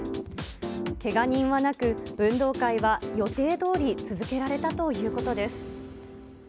けが人はなく、運動会は予定どおり続けられたということです。